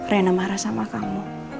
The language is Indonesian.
rena marah sama kamu